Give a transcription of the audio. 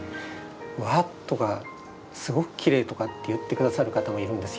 「わあ！」とか「すごくきれい」とかって言ってくださる方もいるんですよ。